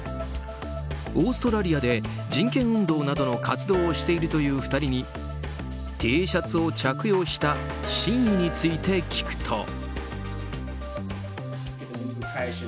オーストラリアで人権運動などの活動をしているという２人にＴシャツを着用した真意について聞くと。